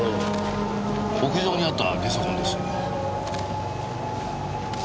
屋上にあったゲソ痕です。